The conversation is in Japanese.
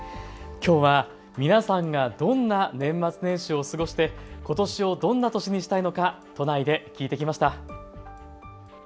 きょうは皆さんがどんな年末年始を過ごして、ことしをどんな年にしたいのか都内で聞いてきました。